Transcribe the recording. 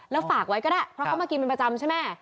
แล้วฝากไว้ก็ได้เพราะเขามากินเป็นประจำใช่ไหม